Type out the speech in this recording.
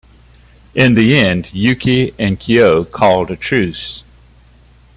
In the end, Yuki and Kyo called a truce.